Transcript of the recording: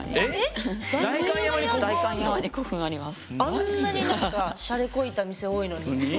あんなにしゃれこいた店多いのに？